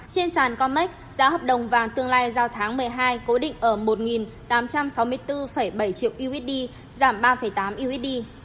trên sàn comac giá hợp đồng vàng tương lai giao tháng một mươi hai cố định ở một tám trăm sáu mươi bốn bảy triệu usd giảm ba tám usd